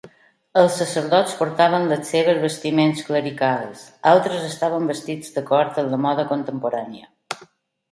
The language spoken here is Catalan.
Els sacerdots portaven les seves vestiments clericals, altres estaven vestits d'acord amb la moda contemporània.